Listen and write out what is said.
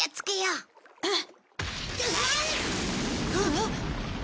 うん！